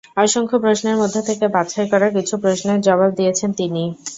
অসংখ্য প্রশ্নের মধ্য থেকে বাছাই করা কিছু প্রশ্নের জবাব দিয়েছেন তিনি।